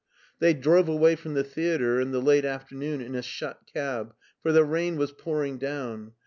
They drove away from the theater in the late after noon in a shut cab, for the rain was pouring down.